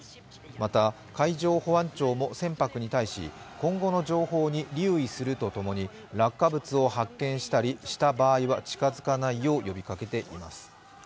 また海上保安庁も船舶に対し今後の情報に留意するとともに、落下物を発見したりした場合は近づかないよう呼びかけています。